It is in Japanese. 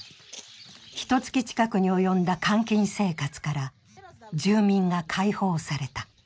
ひと月近くに及んだ監禁生活から住民が解放された。